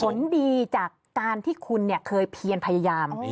ผลดีจากการที่คุณเคยเพียนพยายาม